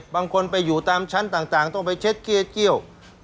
บางคนไปอยู่ตามชั้นต่างต้องไปเช็ดเกี้ยเกี่ยว